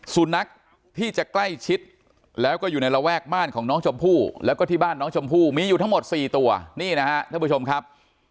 สุนัขที่จะใกล้ชิดแล้วก็อยู่ในระแวกบ้านของน้องชมพู่แล้วก็ที่บ้านน้องชมพู่มีอยู่ทั้งหมด๔ตัวนี่นะฮะท่านผู้ชมครับ